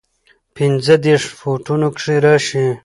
پنځۀدېرش فوټو کښې راشي